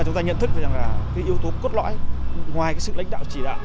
chúng ta nhận thức rằng là cái yếu tố cốt lõi ngoài cái sự lãnh đạo chỉ đạo